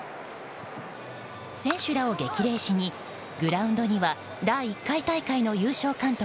選手らを激励しにグラウンドには第１回大会の優勝監督